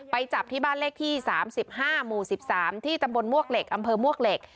ไปจับที่บ้านเลขที่สามสิบห้าหมู่สิบสามที่ตำบลมวกเหล็กอำเภอมวกเหล็ก